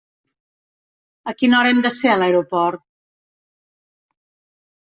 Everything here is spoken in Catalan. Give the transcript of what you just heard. A quina hora hem de ser a l'aeroport?